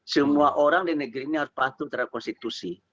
semua orang di negeri ini harus patuh terhadap konstitusi